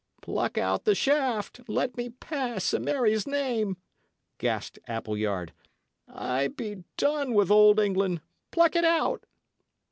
"Pluck out the shaft, and let me pass, a' Mary's name!" gasped Appleyard. "I be done with Old England. Pluck it out!"